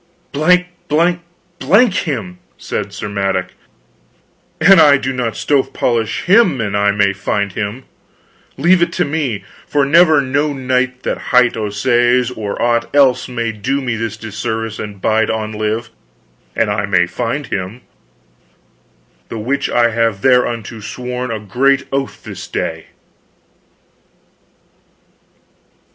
"Blank blank blank him," said Sir Madok, "an I do not stove polish him an I may find him, leave it to me; for never no knight that hight Ossaise or aught else may do me this disservice and bide on live, an I may find him, the which I have thereunto sworn a great oath this day."